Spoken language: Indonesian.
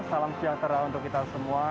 salam sejahtera untuk kita semua